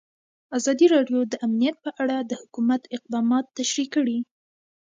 ازادي راډیو د امنیت په اړه د حکومت اقدامات تشریح کړي.